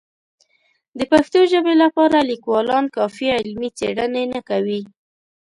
د پښتو ژبې لپاره لیکوالان کافي علمي څېړنې نه کوي.